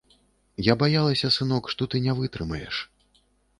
Я баялася, сынок, што ты не вытрымаеш.